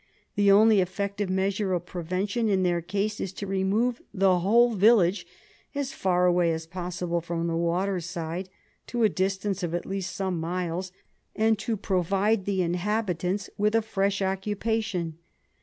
The only effective measure of prevention in their case is to remove the w^hole village as far away as possible from the water side, to a distance of at least some miles, and to provide the inhabitants with a fresh occupa tion.